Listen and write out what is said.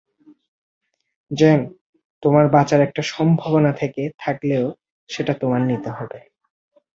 Gen, তোমার বাঁচার একটা সম্ভাবনা থেকে থাকলেও সেটা তোমার নিতে হবে।